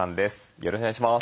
よろしくお願いします。